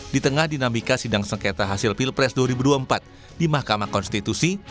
di tengah dinamika sidang sengketa hasil pilpres dua ribu dua puluh empat di mahkamah konstitusi